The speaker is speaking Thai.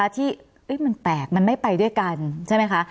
ที่มันแปลกมันไม่ไปด้วยกันใช่ไหมคะ